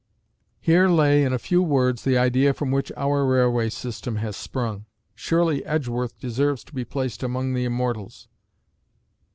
_" Here lay in a few words the idea from which our railway system has sprung. Surely Edgeworth deserves to be placed among the immortals.